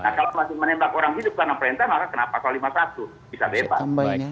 nah kalau masih menembak orang hidup karena perintah maka kenapa pasal lima puluh satu bisa bebas